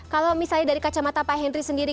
kalau misalnya dari kacamata pak henry sendiri